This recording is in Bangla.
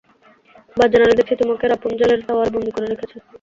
বাহ, জেনারেল দেখছি তোমাকে রাপুনজেলের টাওয়ারে বন্দি করে রেখেছে!